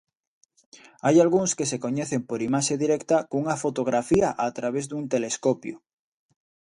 Hai algúns que se coñecen por imaxe directa cunha fotografía a través dun telescopio.